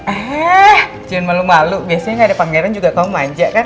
ah jangan malu malu biasanya gak ada pangeran juga kamu manja kan